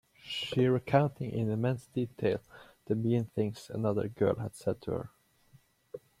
She recounting in immense detail the mean things another girl had said to her.